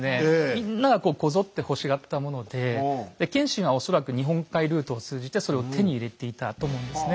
みんながこぞって欲しがったもので謙信は恐らく日本海ルートを通じてそれを手に入れていたと思うんですね。